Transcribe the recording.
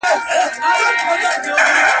بې له خنډه هر کار اخستلای سوای